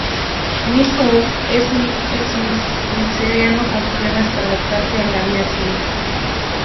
Nick Gunnar es un ex mercenario con problemas para adaptarse a la vida civil.